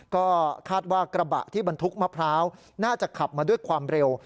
ก็คาดว่ากระบะที่บรรทุกมะพร้าวน่าจะขับมาด้วยความเร็ว